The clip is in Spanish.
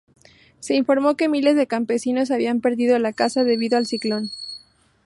Se informó de que miles de campesinos habían perdido la casa debido al ciclón.